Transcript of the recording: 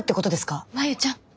真夕ちゃん。